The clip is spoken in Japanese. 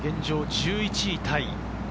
１１位タイ。